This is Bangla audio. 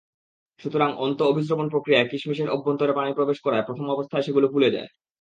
সুতরাং অন্তঃঅভিস্রবণ-প্রক্রিয়ায় কিশমিশের অভ্যন্তরে পানি প্রবেশ করায় প্রথমাবস্থায় সেগুলো ফুলে যায়।